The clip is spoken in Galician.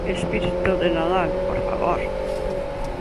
Espírito de Nadal, por favor.